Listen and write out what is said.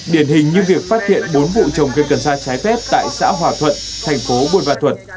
điển hình như việc phát hiện bốn vụ trồng cây cần xa trái phép tại xã hòa thuận thành phố bùi văn thuận